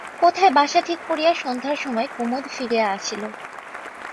কোথায় বাসা ঠিক করিয়া সন্ধ্যার সময় কুমুদ ফিরিয়া আসিল।